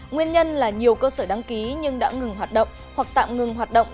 nguyên nhân là nhiều cơ sở đăng ký nhưng đã ngừng hoạt động hoặc tạm ngừng hoạt động